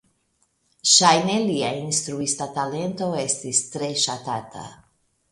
Ŝajne lia instruista talento estis tre ŝatata.